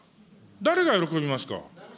誰が喜びますか。